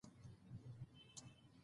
د قبر غذاب تر قبر پورې ندی خاص